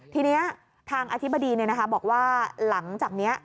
ทีนี้ทางอธิบดีบอกว่าหลังจากนี้